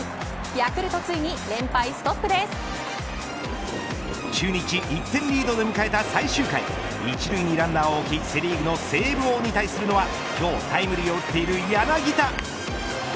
ヤクルトついに中日、１点リードで迎えた最終回１塁にランナーを置きセ・リーグのセーブ王に対するのは今日タイムリーを打っている柳田。